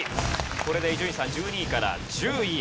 これで伊集院さん１２位から１０位へ。